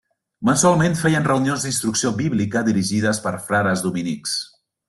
Mensualment feien reunions d'instrucció bíblica dirigides per frares dominics.